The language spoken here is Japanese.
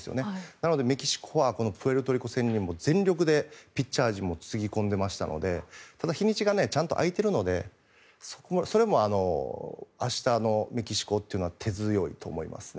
なのでメキシコはプエルトリコ戦に全力でピッチャー陣もつぎ込んでましたのでただ、日にちがちゃんと空いているのでそれも明日のメキシコというのは手強いと思いますね。